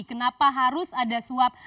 kenapa harus ada suap